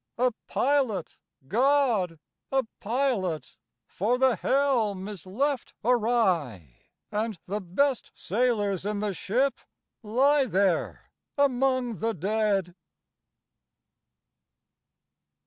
A pilot, GOD, a pilot! for the helm is left awry, And the best sailors in the ship lie there among the dead!"